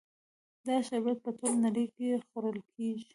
دا شربت په ټوله نړۍ کې خوړل کیږي.